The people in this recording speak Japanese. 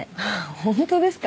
本当ですか？